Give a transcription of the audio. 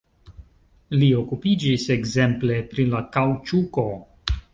Li okupiĝis ekzemple pri la kaŭĉuko.